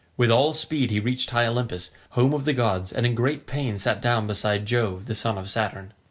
With all speed he reached high Olympus, home of the gods, and in great pain sat down beside Jove the son of Saturn.